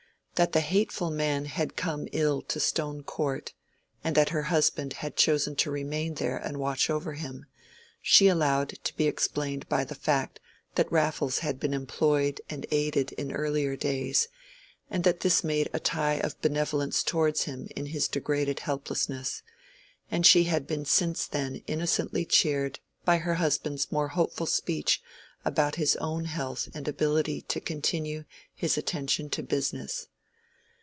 That the hateful man had come ill to Stone Court, and that her husband had chosen to remain there and watch over him, she allowed to be explained by the fact that Raffles had been employed and aided in earlier days, and that this made a tie of benevolence towards him in his degraded helplessness; and she had been since then innocently cheered by her husband's more hopeful speech about his own health and ability to continue his attention to business.